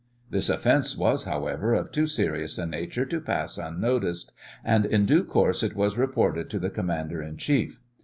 This offence was, however, of too serious a nature to pass unnoticed, and in due course it was reported to the Commander in Chief.